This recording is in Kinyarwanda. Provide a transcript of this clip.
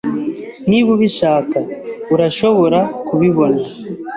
Niba ubishaka, urashobora kubibona.